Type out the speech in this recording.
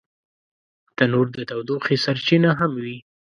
تنور د تودوخې سرچینه هم وي